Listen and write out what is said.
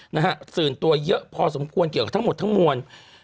นะฮะตื่นตัวเยอะพอสมควรเกี่ยวกับทั้งหมดทั้งมวล